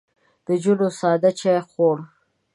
نجونو ساده چای خوړ.